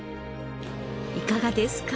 いかがですか？